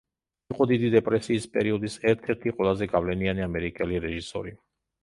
იყო დიდი დეპრესიის პერიოდის ერთ-ერთი ყველაზე გავლენიანი ამერიკელი რეჟისორი.